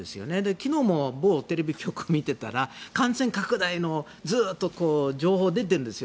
昨日も某テレビ局を見てたら感染拡大のずっと情報が出ているんですよ